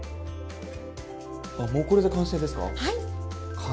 あっもうこれで完成ですか？